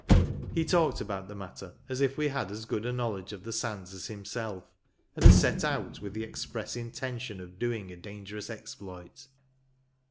He talked about the matter as if we had as good a knowledge of the sands as himself, and had set out with the express intention of doing a dangerous exploit.